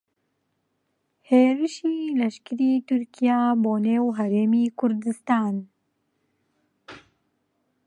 هێرشی لەشکریی تورکیا بۆ نێو هەرێمی کوردستان